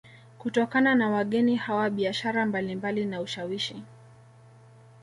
Kutokana na wageni hawa biashara mbalimbali na ushawishi